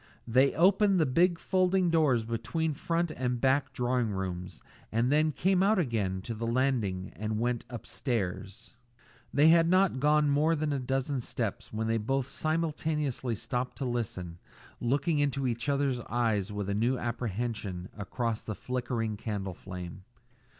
They opened the big folding doors between front and back drawing rooms and then came out again to the landing and went on upstairs. They had not gone up more than a dozen steps when they both simultaneously stopped to listen, looking into each other's eyes with a new apprehension across the flickering candle flame.